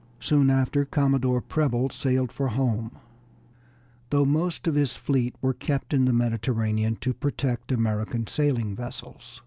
Soon after Commodore Preble sailed for home, though most of his fleet were kept in the Mediterranean to protect American sailing vessels.